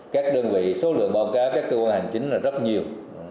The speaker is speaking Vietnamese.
các đơn vị số lượng báo cáo các cơ quan hành chính là rất nhiều